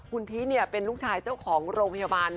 คุณทิเป็นลูกชายเจ้าของโรงพยาบาล